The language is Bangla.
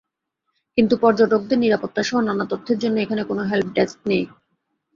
কিন্তু পর্যটকদের নিরাপত্তাসহ নানা তথ্যের জন্য এখানে কোনো হেল্প ডেস্ক নেই।